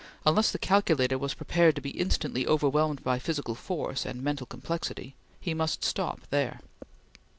Unless the calculator was prepared to be instantly overwhelmed by physical force and mental complexity, he must stop there.